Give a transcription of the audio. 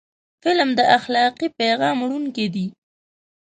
فلم د اخلاقي پیغام وړونکی دی